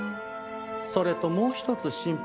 それともう一つ心配事が。